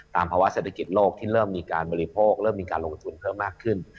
ภาวะเศรษฐกิจโลกที่เริ่มมีการบริโภคเริ่มมีการลงทุนเพิ่มมากขึ้น